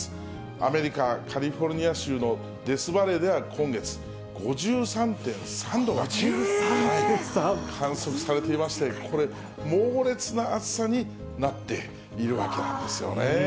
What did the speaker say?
アメリカ・カリフォルニア州のデスバレーでは今月、５３．３度が観測されていまして、これ、猛烈な暑さになっているわけなんですよね。